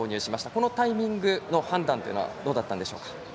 このタイミングの判断はどうだったんでしょうか。